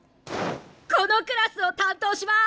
このクラスを担当します